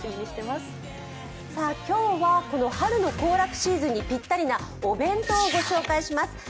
今日は春の行楽シーズンにぴったりなお弁当をご紹介します。